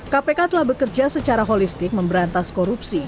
kpk telah bekerja secara holistik memberantas korupsi